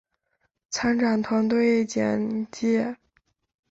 参展团队简介